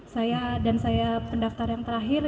saya dan saya pendaftar yang terakhir